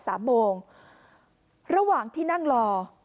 กลุ่มตัวเชียงใหม่